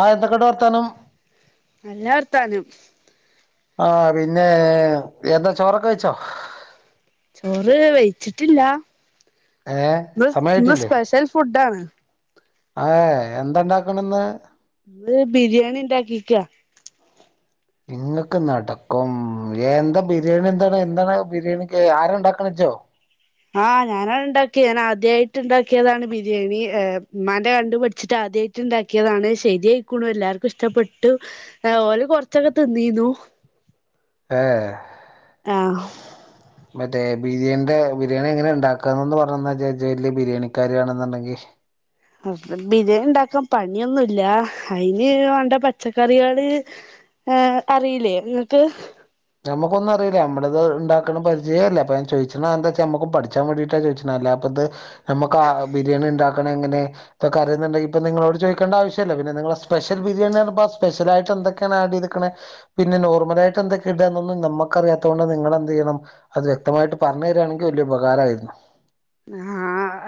ആ എന്തൊക്കെണ്ട്‌ വർത്താനം നല്ല വർത്താനം ആഹ് പിന്നേ എന്താ ചോറൊക്കെ വെയ്ച്ചോ? ചോറ് വെയ്ച്ചിട്ടില്ല ഏഹ് ഇന്ന് ഇന്ന് സ്പെഷ്യൽ ഫുഡാണ് അഹേ എന്തണ്ടാക്കണന്ന്? ഇന്ന് ബിരിയാണി ഇണ്ടാക്കിക്കാ ഇങ്ങക്ക് നടക്കും എന്താ ബിരിയാണി എന്താണ് എന്താണ് ബിരിയാണിക്ക് ആരാണ്ടാക്കണത് ഇജോ ആഹ് ഞാനാണ് ണ്ടാക്കിയത് ഞാൻ ആദ്യായിട്ട് ണ്ടാക്കിയതാണ് ബിരിയാണി ഇമ്മാന്റെ കണ്ടു പടിച്ചിട്ട ആദ്യായിട്ട്ണ്ടാക്കിയതാണ് ശരിയയിക്ക്‌ണു എല്ലാർക്കും ഇഷ്ടപ്പെട്ടു ഓല് കൊർച്ചൊക്കെ തിന്നീന്നു ആഹ് ആഹ് മറ്റേ ബിരിയാണിന്റെ ബിരിയാണി എങ്ങനെ ഉണ്ടാക്കാന്നൊന്ന് പറഞ്ഞന്നാജ്ജ് ജ് വല്യ ബിരിയാണിക്കാരി ആണെന്നുണ്ടെങ്കി അ ബിരിയാണി ഉണ്ടാക്കാൻ പണിയൊന്നുംല്ല അയിന് വാണ്ട പച്ചക്കറിയാള് ഏ അറിയില്ലേ ഇങ്ങക്ക്? നമ്മുക്കൊന്നും അറീല നമ്മളത്ണ്ടാക്ക്‌ണ പരിചയേ ഇല്ല അപ്പ ഞാൻ ചോയ്ച്ച്ണ എന്താച്ചാ ഞമ്മുക്കും പഠിച്ചാൻ വേണ്ടീട്ടാ ചോയ്ച്ച്ണെ അല്ലാ പ്പത് നമുക്ക് ബിരിയാണി ഉണ്ടാക്കണം എങ്ങനെ തൊക്കെ അറിംന്നുണ്ടെങ്കിൽ ഇപ്പ നിങ്ങളോട് ചോദിക്കേണ്ട ആവശ്യല്ല പിന്നെ നിങ്ങള്, സ്പെഷൽ, ബിരിയാണിന്ന്‌, പറഞ്ഞപ്പോ, സ്പെഷ്യലായിട്ട്, എന്തൊക്കെയാണ്, ആട്, ചെയ്തേക്കണെ, പിന്നെ, നോർമൽ, ആയിട്ട്, എന്തൊക്കെ? ഇടന്നൊന്നും, നമ്മക്കറിയാത്ത, കൊണ്ട്, നിങ്ങെന്ത്, ചെയ്യണം, അത്, വ്യക്തമായിട്ട്, പറഞ്ഞു, തരിയാണെങ്കിൽ, വലിയ, ഉപകാരമായിരുന്നു. ആ,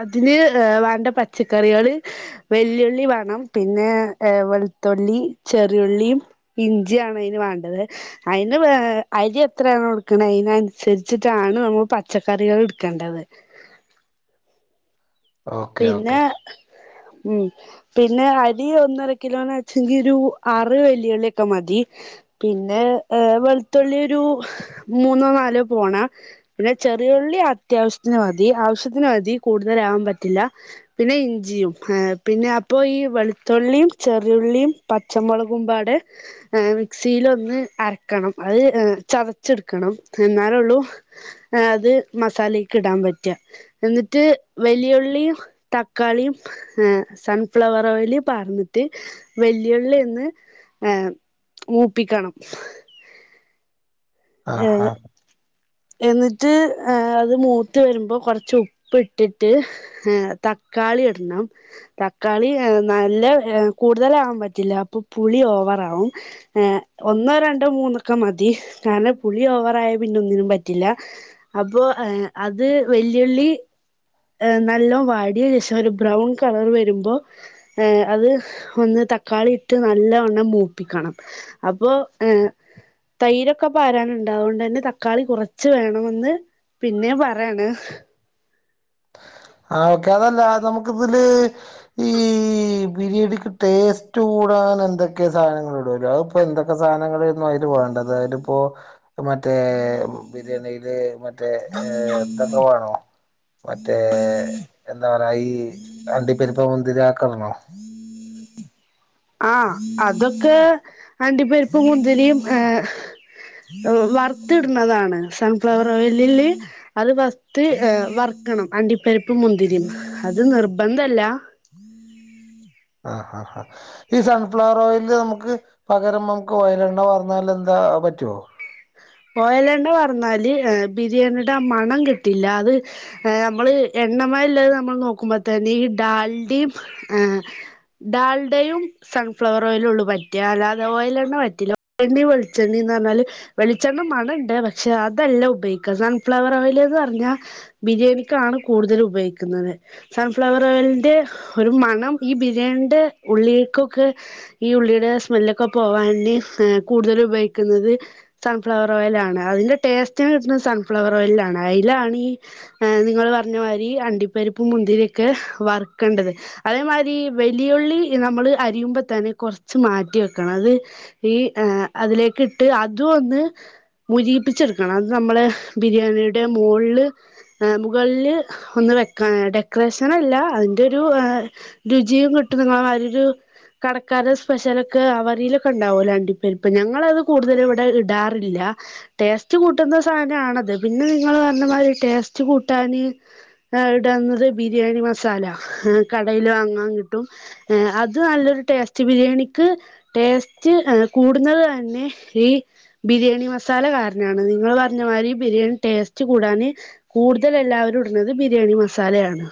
അതിന്, വേണ്ട, പച്ചക്കറികള്, വെല്ലുള്ളി, വേണം, പിന്നെ വെളുത്തുള്ളി, ചെറിയ ഉള്ളിയും, ഇഞ്ചിയും, ആണ്, അതിനു വേ അരി, എത്രയാണ്, കൊടുക്കണ, അതിനനുസരിച്ചിട്ടാണ്, നമ്മൾ പച്ചക്കറികൾ, എടുക്കേണ്ടത്. Okay, okay. പിന്നെ ഉം, പിന്നെ അരി, ഒന്നര കിലോന്ന്, വെച്ചെങ്കി, ഒരു, അറ്, വെല്ലുള്ളിയൊക്കെ, മതി. പിന്നെ, ഏ, വെളുത്തുള്ളി, ഒരു, മൂന്നോ, നാലോ, പോണ, പിന്നെ, ചെറിയ, ഉള്ളി ഉള്ളി, അത്യാവശ്യത്തിന്, മതി, ആവശ്യത്തിന്, മതി, കൂടുതലാവാൻ പ ഇല്ല, പിന്നെ ഇഞ്ചിയും, പിന്നെ, അപ്പ, ഈ, വെളുത്തുള്ളിയും, ചെറിയുള്ളിയും, പച്ച മുളകുമ്പാടെ മിക്സിൽ ഒന്ന് അരക്കണം അത് ചതച്ചെടുക്കണം. എന്നാലള്ളൂ അത് മസാലക്ക് ഇടാൻ പറ്റ എന്നിട്ട് വലിയ [unintelligible] തക്കാളിയും സൺഫ്ലവർ ഓയിൽ പകര്‍ന്നിട്ട് വല്ല്യ ഉള്ളി ന്ന് മൂപ്പിക്കണം. ആഹ എന്നിട്ട് അത് മൂത്ത് വരുമ്പോ കുറച്ച് ഉപ്പ് ഇട്ടിട്ട് ത തക്കാളി ഇടണം. തക്കാളി നല്ല കൂടുതൽ ആവാന്‍ പറ്റില്ല പ്പ പുളി ഓവ ഓവറാവും ഒന്നോ രണ്ടോ മൂന്നൊക്കെ മതി. കാരണം പുളി ഓവറായ പിന്നെ ഒന്നിനും പ റ്റില്ല അപ്പോ അത് വല്ല്യുള്ളി നല്ലോ വാടിയ ശേഷം ഒരു ബ്രൗൺ കളർ വരുമ്പോ അത് ഒന്ന് തക്കാളിട്ട് നല്ലവണ്ണം മൂപ്പിക്കണം അപ്പൊ ഏ തൈരൊക്കെ പാരാനുണ്ട് അതുകൊണ്ട് തന്നെ തക്കാളി കുറച്ച് വേണമെന്ന് പിന്നെ പറയാണ് ആ ഓക്കെ അതല്ല നമുക്ക് ഇതില് ഈ ബിരിയാണിക്ക് ടേസ്റ്റ് കൂ കൂടാൻ എന്തൊക്കെ സാധനങ്ങൾ ഇടുല്ലോ അതി ഇപ്പോ എന്തൊക്കെ സാനങ്ങള്‍ അതിന് വേണ്ടത് അതിപ്പോ മറ്റേ ബിരിയാണിയില് മറ്റേ എന്തൊക്കെ വേണോ മറ്റേ എന്താ പറയാ ഈ അണ്ടിപ്പരിപ്പ് മുന്തിരി അക്കെ ഇടണോ ആഹ് അതൊക്കെ അണ്ടി പരിപ്പും മുന്തിരിയും [unintelligible] വറുത്തിടുന്നതാണ് സൺഫ്ലവർ ഓയിലില് അത് വറത്ത് വറ ണം അണ്ടിപ്പരിപ്പ് മുന്തിരീം അത് നിർബന്ധല്ല. ആ ഈ സൺഫ്ലവർ ഓയിയില് നമുക്ക് പകരം നമുക്ക് ഓയിലെണ്ണ വന്നാല്‍ എന്ത ആ പറ്റോ? ഓയല എണ്ണ പറഞ്ഞാല് ബിരിയാണിയുടെ മണം കിട്ടില്ല. അത് നമ്മള് എണ്ണ മയം ഇല്ലാതെ നമ്മള് നോക്കുമ്പോതെന്ന് ഈ ഡാൽഡിയും ആ ഡാൽഡയും സൺഫ്ലവർ ഓയിയിലും ഉള്ളൂ പറ്റ അല്ലാതെ ഓയിൽ എണ്ണ പറ്റില്ല ഓയിൽ എണ്ണയും വെളിച്ചെണ്ണയും എണ്ണ ന്ന് റഞ്ഞാല് വെളി പച്ചെണ്ണ, മണണ്ട്, പക്ഷെ, അതല്ല, ഉപയോഗിക്കാ, സൺഫ്ലവർ, ഓയിൽ, എന്ന്, പറഞ്ഞ, ബിരിയാണിക്കാണ് കൂ കൂടുതൽ, ഉപയോഗിക്കുന്നത്, സൺഫ്ലവർ, ഓയിലിന്റെ, ഒരു മണം, ഈ, ബിരിയാണിയുടെ, ഉള്ളിലേക്ക് ഈ, ഉള്ളിയുടെ, സ്മെല്ലൊക്കെ, പോവാന്, കൂടുതൽ, ഉപയോഗിക്കുന്നത്. സൺഫ്ലവർ, ഓയിലിലാണ്, അതിന്റെ ടേസ്റ്റ്, കിട്ടുന്നത്, സൺഫ്ലവർ, ഓയിലിലാണ്, അതിലാണ്, ഈ, നിങ്ങള് പറഞ്ഞമാതിരി, അണ്ടിപ്പരിപ്പ്, മുന്തിരിക്കെ, വറക്കേണ്ടത്, അതൊരുമാതിരി, വലിയുള്ളി, നമ നമ്മള്, അരിയുമ്പോ, തന്നെ, കുറച്ച്, മാറ്റി വെക്കണം, അത്, ഈ, അതിലേക്ക്, ഇട്ട് അതൊന്ന് [unintelligible] മുരിപ്പിച്ചെടുക്കണം, അത്, നമ്മള്, ബിരിയാണിയുടെ, മോളില് മോളില്, ഒന്ന് വെക്കനാ, ഡെക്കറേഷന്‍, അല്ല, അതിന്റെ, ഒരു രുചി [unintelligible] ഒരു, കടക്കാരടെ, സ്പെഷ്യൽ, ഒക്കെ, വഴിലൊക്കെ, ഉണ്ടാവലോ, അണ്ടിപ്പരിപ്പ്, ഞങ്ങള്‍, അത് കൂടുതൽ [unintelligible] ഇടാറില്ല, ടേസ്റ്റ് കൂട്ടുന്ന, സാധനം, ആണത്, പിന്നെ, നിങ്ങള്, പറഞ്ഞ, മാതിരി, ടേസ്റ്റ്, കൂട്ടാന്‍ [unintelligible] ഇടണത്, ബിരിയാണി, മസാല, കടയില്, വാങ്ങാന്‍, കിട്ടും അത്, നല്ലൊരു, ടേസ്റ്റ്, ബിരിയാണിക്ക്, ടേസ്റ്റ്, കൂടുന്നത്, തന്നെ, ഈ ബിരിയാണി, മസാല, കാരണാണ്, നിങ്ങള്, പറഞ്ഞ, മാതിരി, ബിരിയാണി, ടേസ്റ്റ്, കൂടാന്, കൂടുതൽ എല്ലാവരും, ഇടണത്, ബിരിയാണി, മസാലയാണ്.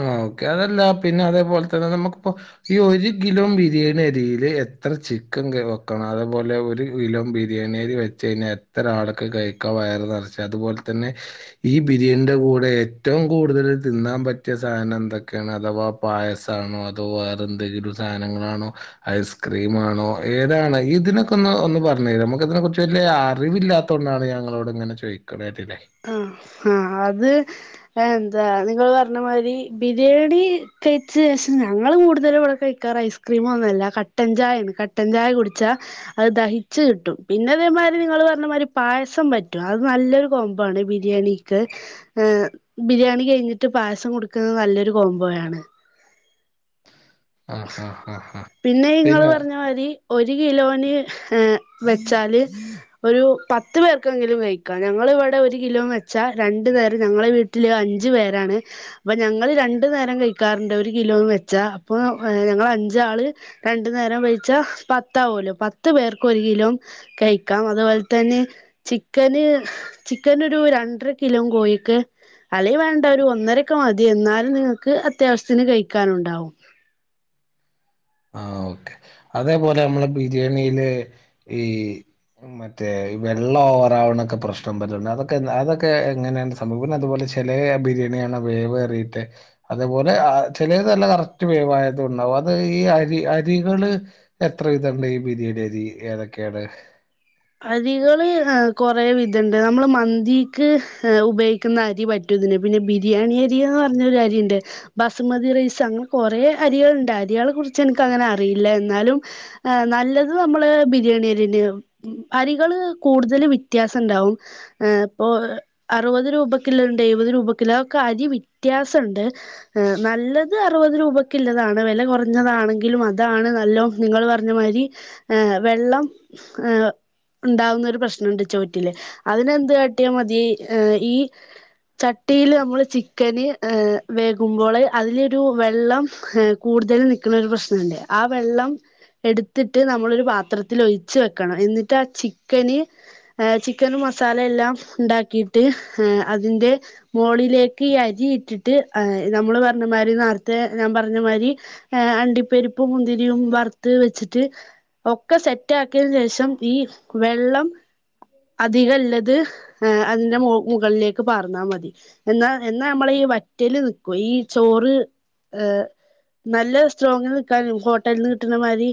ആ ഓക്കെ അതല്ല പിന്നെ അതേപോല്തന്നെ നമുക്കിപ്പോ ഈ ഒരു കിലോ ബിരിയേണിയരിയില് എ ത്ര ചിക്കൻ വെക്കണം അതേപോലെ ഒരു കിലോ ബിരിയാണിയരി വെച്ച് കഴിഞ്ഞാ എത്ര ആൾക്ക് കഴിക്ക വയറ് നെറച്ച് അത്പോലെതന്നെ ഈ ബിരിയാണീന്റെ കൂടെ ഏറ്റവും കൂടുതൽ തിന്നാൻ പറ്റ സാധനന്തൊക്കെണ് അഥവാ പായസാണോ അതോ വേറെന്തെങ്കിലും സാനങ്ങളാണോ ഐസ് ക്രീംമാണോ ഏതാണ് ഇതിനൊക്കെ ഒന്ന് ഒന്ന് പറഞ്ഞ്തരോ നമുക്കിതിനെക്കുറിച്ച് വല്ല്യ അറിവില്ലാത്തോണ്ടാണ് ഞാൻ ങ്ങളോട്ങ്ങെനെ ചോയ്ക്ക്ണെതില് ആഹ് ആഹ് അത് എന്താ നിങ്ങൾ പർഞ്ഞമാതിരി ബിരിയാണി കയിച്ച് പക്ഷേ ഞങ്ങള് കൂടുതലും ഇവടെ കഴിക്കാറ് ഐസ്ക്രീമൊന്നുവല്ല കട്ടൻ ചായാണ് കട്ടൻചായ കുടിച്ചാ അത് ദഹിച്ച് കിട്ടും പിന്നതേമാതിരി നിങ്ങള് പറഞ്ഞ മാതിരി പായസം പറ്റും അത് നല്ലൊരു കോ ബിരിയാണിക്ക് ബിരിയാണി കയിഞ്ഞിട്ട് പായസം കൊടുക്കുന്നത് നല്ലൊരു കോംമ്പോയാണ് ആ ആ ആ ആ പിന്നെ ഇങ്ങള് പറഞ്ഞ മാതിരി ഒരു കിലോന് ഏ വെച്ചാല് ഒരു പത്ത് പേർക്കെങ്കിലും കഴിക്കാം ഞങ്ങളിവിടെ ഒരു കിലോ വെച്ചാ രണ്ട് നേരം ഞങ്ങളെ വീട്ടില് അ അഞ്ച് പേരാണ് പ്പൊ ഞങ്ങള് രണ്ടു നേരം കഴിക്കാറുണ്ട് ഒരു കിലോ വെച്ചാ പ്പോ ഞങ്ങളഞ്ചാൾ രണ്ടു നേരം വേയ്ച്ചാൽ പത്താവുല്ലോ പത്ത് പേർക്കൊര് കിലോ കഴിക്കാം അതുപോലെതന്നെ ചിക്കന് ചിക്കനൊരു രണ്ടര കിലോ കോഴിക്ക് അല്ലെങ്കി വേണ്ട ഒരു ഒന്നരയൊക്കെമതി എന്നാലും നിങ്ങക്ക് അത്യാവശ്യത്തിന് കഴിക്കാനുണ്ടാവും ആ ഓക്കെ അതേപോലെ നമ്മളിപ്പം ബിരിയാണിയില് ഈ മറ്റേ വെള്ളം ഓവറാവ്ണൊക്കെ പ്രശ്നം പറ്റ്ണ്ട് അതൊക്കെ അതൊക്കെ എങ്ങനാണ് സഭവം പിന്നതുപോലെ ചെലെ ബിരിയാണ്യാണ വേവേറീട്ട് അതേപോലെ അ ചെലേതല്ല കറക്റ്റ് വേവായതു ണ്ടാവും അത് ഈ അരി അരികള് എത്ര വിധണ്ട് ഈ ബിരിയാണ്യരി ഏതൊക്കെണ് അരികള് കൊറേ വിധണ്ട് നമ്മള് മന്തീക്ക് ഉപയോഗിക്കുന്ന അരി പറ്റും തിന് പിന്നെ ബിരിയാണ്യര്യോ ർഞൊരരിണ്ട് ബസ്മതി റൈസ് അങ്ങനെ കൊറേ അരികൾ ണ്ട്. അരി കളെ കുർച്ച് ഇന്ക്കങ്ങനെ അറിയില്ല എന്നാലും നല്ലത് നമ്മള് ബിരിയാണ്യര്യേന്നാവും അരികള് കൂടുതൽ വ്യത്യാസം ണ്ടാവും പ്പോ അറുപത് രൂപ ക്ക്‌ള്ളഹ് ണ്ട് എഴുപത് രൂപക്ക്‌ള്ളഹ്ണ്ട് അഒക്കെ അരി വ്യത്യാസം ണ്ട് നല്ലത് അറുപതു രൂപക്ക്ള്ളതാണ്. ല കൊറഞ്ഞതാണെങ്കിലും അതാണ് നല്ലോം ങ്ങൾ പർഞ്ഞ മാതിരി വെള്ളം എ ഇണ്ടാവുന്ന ഒരു പ്രശ്നണ്ട് ചോറ്റില് അതിനെന്ത് കാട്ടിയാമതി ഏ ഈ ചട്ടിയില് നമ്മള് ചിക്കന് വേകുമ്പോള് അതിലൊരു വെള്ളം കൂട് തൽ നിക്ക്‌ണൊരു പ്രശ്നണ്ട് ആ വെള്ളം എടുത്തിട്ട് നമ്മളൊര് പാത്രത്തിൽ ഒഴിച്ച് വെക്കണം എന്നി ട്ടാ ചിക്കന് ഏ ചിക്കനു മസാലയെല്ലാം ഉണ്ടാക്കീട്ട് ഏ അതിന്റെ മോളിലേക്ക് ഈ അരി ഇട്ടിട്ട് ആ നമ്മള് പർഞ്ഞമാതിരി നേര്ത്തെ ഞാൻ പറഞ്ഞ മാതിരി അണ്ടിപ്പെരിപ്പും മുന്തിരിയും വറുത്ത് വെച്ചിട്ട് ഒക്കെ സെറ്റാക്കിയതിന് ശേഷം ഈ വെള്ളം അധികംല്ലത് ഹ് അതിന്റെ മൊ മുകൾലേക്ക് പാർന്നാ മതി എന്നാൽ എന്നാ നമ്മളെ ഈ വറ്റല് നിക്കും ഈ ചോറ് ഏഹ് നല്ല സ്ട്രോങ്ങിന് നിക്കാനും ഹോട്ടല്ന്ന് കിട്ട്ണമാരി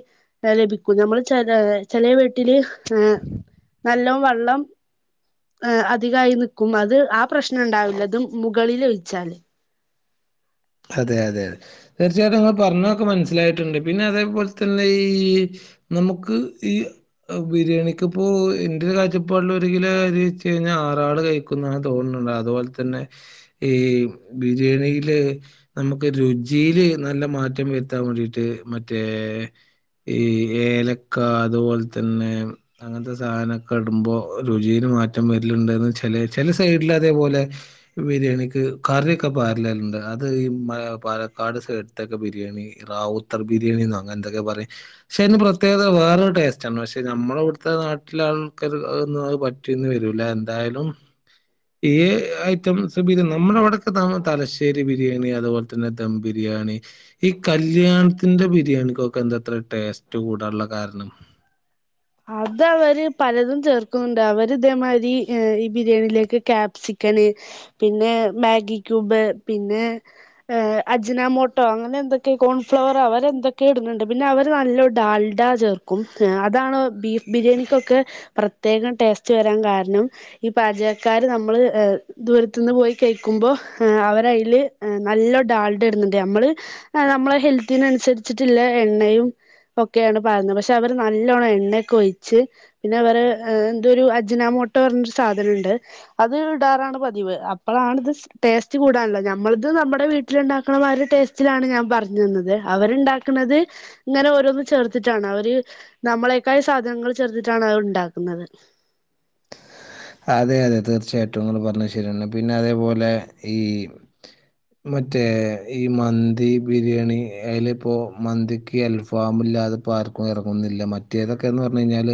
ഏ ലഭിക്കും നമ്മള് ചെല ചെലെ വീ ട്ടില് ഏഹ് നല്ലോം വെള്ളം ആ അധികായി ന്ക്കും അത് ആ പ്രശ്നം ണ്ടാവില്ലത് മുകളിൽ ഒഴിച്ചാല് അതെ അതെ അ തീർച്ചായിട്ടും ങ്ങൾ പറഞ്ഞൊക്കെ മൻസ്സിലായിട്ട്ണ്ട് പിന്നെ അതേപോൽതന്നെ ഈ നമുക്ക് ഈ ബിരിയാണിക്ക് പ്പോ എന്റെരു കാഴ്ചപ്പാടിൽ ഒരു കിലോ ച്ചേ ഞാ റാള് കഴിക്കുന്നാ തോന്ന്ണ് അതുപോലെ തന്നെ ഈ ബിരിയാണിയില് നമുക്ക് രുചിയില് നല്ല മാറ്റം വരുത്താൻ വേണ്ടിട്ട് മറ്റേ ഈ ഏലക്ക അതുപോലെ തന്നെ അങ്ങൻത്തെ സാധനോക്കെ ടുമ്പോ രുചിയിലും മാറ്റം വര്ല്ണ്ട് ന്ന് ചെലെ ചെല സൈഡില് അതേപോലെ ബിരിയാണിക്ക് കറ്യോക്കെ പാരല് ണ്ട് ത് ഈ മ പാലക്കാട് സൈട്ത്തൊക്കെ ബിരിയാണി റാവുത്തർ ബിരിയാണിന്നൊ അങ്ങൻന്തൊക്കെ പറയും ഷെ യ്ന് പ്രത്യേകത വേറൊരു ടേസ്റ്റാണ് പക്ഷെ ഞമ്മളെവ്ട്ത്തെ നാട്ടിലാൾക്കാർ അഒന്നും അഹ് പറ്റിന്ന് വരൂല്ല എന്തായാലും ഈ ഐറ്റം സ് പിന്നെ നമ്മടെവ്ടൊക്കെ തം തലശ്ശേരി ബി ബിരിയാണി അതുപോലെ തന്നെ ദം ബിരിയാണി ഈ കല്യാണത്തിന്റെ ബിരിയാണിക്കൊക്കെ എന്തത്ര ടേസ് റ്റു കൂടാനുള്ള കാരണം ഉ അത അവര് പലതും ചേർക്കുന്നുണ്ട് അവര് ഇതേമാതിരി ഈ ബിരിയാണിയിലേക്ക് ക്യാപ്സിക് ക്കന് പിന്നെ മാഗി ക്യൂബ് പിന്നെ അജ്നമോട്ടോ അങ്ങനെ എന്തൊക്കെ കോൺഫ്ലവർ അവരെ എന്തൊക്കെ ഇടുന്നുണ്ട് പിന്നെ അവര് നല്ല ഡാൽഡാ ചേർക്കും അതാണ് ബീഫ് ബിരിയാണിക്കൊക്കെ പ്രത്യേകം ടേസ്റ്റ് വരാൻ കാരണം ഈ പാചകക്കാര് നമ്മൾ ദൂരത്തുന്ന് പോയി കഴിക്കുമ്പോ അവരയിൽ നല്ലൊ ഡാൾഡ ഇടുന്നുണ്ട് നമ്മള് ആ നമ്മളെ ഹെൽത്തിനനുസരിച്ചിട്ടുള്ള എണ്ണയും ഒക്കെയാണ് പാരുന്നത് പക്ഷെ അവർ നല്ലോണം എണ്ണ കൊഴിച്ച് പിന്നെ അവരെ എന്തൊ ഒരു അജനാമോട്ട പറഞ്ഞരു സാധനുണ്ട് അത് ഇടാറ ണ് പതിവ് അപ്പോളാണ്ത് ടേസ്റ്റ് കൂടാനുള്ളത് നമ്മളത് നമ്മുടെ വീട്ടില് ഉണ്ടാക്ണ മായിരി ടേസ്റ്റിലാണ് ഞാൻ പറഞ്ഞു തന്നത് അവരുണ്ടാക്ണത് ഇങ്ങനെ ഓരോന്നും ചേർത്തിട്ടാണ് അവര് നമ്മളെ ക്കായി സാധനങ്ങൾ ചേർതിട്ടാണ് അത് ഉണ്ടാക്കുന്നത് അതെ അതെ തീർച്ചയായിട്ടും ഇങ്ങൾ പറഞ്ഞത് ശരിയാണ് പിന്നെ അതേപോലെ ഈ മറ്റേ ഈ മന്തി ബിരിയാണി അയിലിപ്പോ മന്തിക്ക് അൽഫാമില്ല അതിപ്പോ ആർക്കും ഇറങ്ങുന്നില്ല മറ്റേതൊക്കെന്ന് പറഞ്ഞു കഴിഞ്ഞാൽ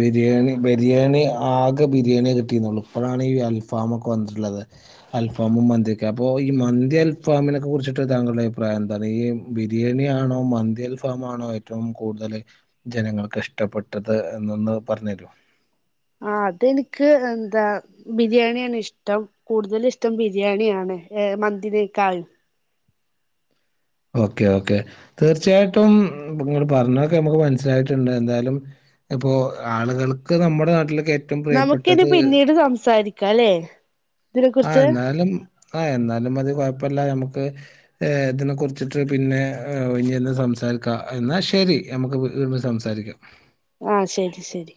ബിരിയാണി ബിരിയാണി ആക ബിരിയാണി കിട്ടിരുന്നുള്ളൂ ഇപ്പോഴാണ് ഈ അൽഫാ വ് ഒക്കെ വന്നിട്ടുള്ളത് അൽഫാമും മന്തിയൊക്കെ അപ്പോ ഈ മ ന്തി അൽഫാമിനക്കെ കുറിച്ചിട്ട് താങ്കളുടെ അഭിപ്രായം എന്താണ് ഈ ബിരിയാണിയാണോ മൻന്ത്യൽ ഫാമാണോ ഏറ്റ വും കൂടുതൽ ജനങ്ങൾക്ക് ഇഷ്ടപ്പെട്ടത് എന്നൊന്ന് പറഞ്ഞു തരൂ ഉ ആ അതിൻക്ക് എന്താ ബിരിയാണിയാണ് ഇഷ്ടം കൂടുതല് ഇഷ്ടം ബിരിയാണിയാണ് ഏ മന്തിനേക്കാൾ ഓക്കെ ഓക്കെ തീർച്ചയായിട്ടും ഇങ്ങ പറഞ്ഞൊക്കെ നമുക്ക് മനസ്സിലായിട്ടുണ്ട് എന്തായാലും ഇപ്പോൊ ആളുകൾക്ക് നമ്മുടെ നാട്ടിലൊ നമുക്കിനെ പിന്നീട് സംസാരിക്കാം അല്ലേ ആ എന്നാലും ആ എന്നാലും അത് കൊഴപ്പില്ല ഞമ്മക്ക് ഇതിനെ കുുറിച്ച് വെച്ചിട്ട് പിന്നെ ഇനിന്ന് സംസാരിക്കാം എന്നാൽ ശരി നമുക്ക് വീ സംസാരിക്കാം ആഹ ശരി ശരി